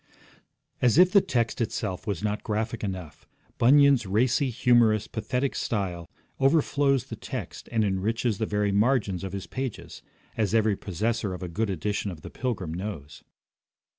As if the text itself was not graphic enough, Bunyan's racy, humorous, pathetic style overflows the text and enriches the very margins of his pages, as every possessor of a good edition of The Pilgrim knows.